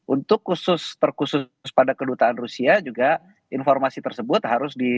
untuk khusus terkhusus pada kedutaan rusia juga informasi tersebut harus di